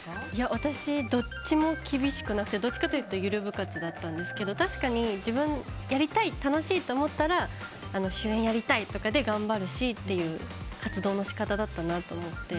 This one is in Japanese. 私、どっちも厳しくなくてどっちかというとゆる部活でしたが確かにやりたい、楽しいって思ったら主演やりたいとかで頑張るしっていう活動の仕方だったなと思って。